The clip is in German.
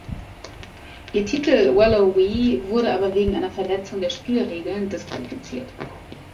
Ihr Titel "Well-o-wee" wurde aber wegen einer Verletzung der Spielregeln disqualifiziert.